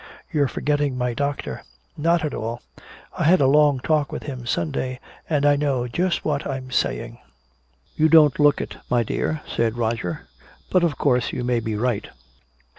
"You're forgetting my doctor." "Not at all. I had a long talk with him Sunday and I know just what I'm saying." "You don't look it, my dear," said Roger, "but of course you may be right.